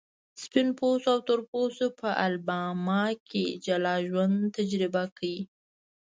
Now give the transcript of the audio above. سپین پوستو او تور پوستو په الاباما کې جلا ژوند تجربه کړ.